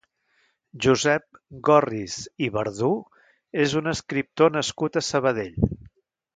Josep Gòrriz i Verdú és un escriptor nascut a Sabadell.